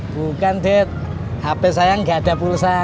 bukan det hp saya enggak ada pulsanya